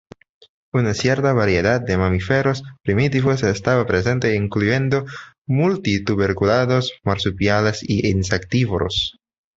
Una cierta variedad de mamíferos primitivos estaba presente incluyendo multituberculados, marsupiales e insectívoros.